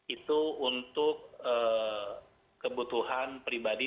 itu untuk kebutuhan pribadi